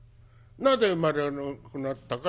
なぜ生まれなくなったか。